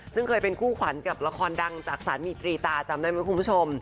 ซึ่งเคยเป็นคู่ขวัญกับละครดังจากสามีตรีตาจำได้ไหมคุณผู้ชม